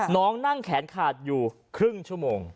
น้องนั่งแขนขาดอยู่ครึ่งชั่วโมง